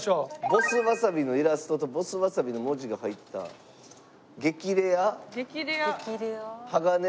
「ボスわさびのイラストと“ボスわさび”の文字が入った激レア鋼鮫が当たる」。